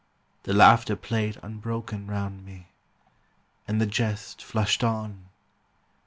The laughter played Unbroken round me; and the jest Flashed on.